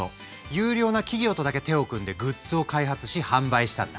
優良な企業とだけ手を組んでグッズを開発し販売したんだ。